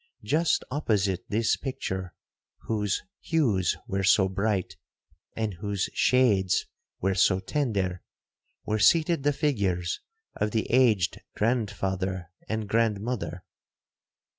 Just opposite this picture, whose hues were so bright, and whose shades were so tender, were seated the figures of the aged grandfather and grandmother.